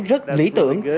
rất lý tưởng